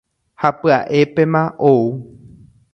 Ha pya'épema ou